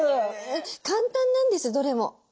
簡単なんですどれも。